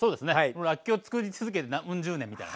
らっきょうつくり続けてうん十年みたいな。